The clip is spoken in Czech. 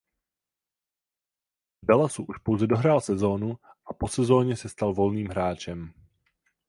V Dallasu už pouze dohrál sezónu a po sezóně se stal volným hráčem.